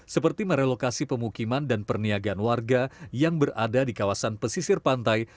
seperti merelokasi pemukiman dan perniagaan warga yang berada di kawasan pesisir pantai